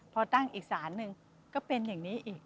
พอตั้งอีกสารหนึ่งก็เป็นอย่างนี้อีก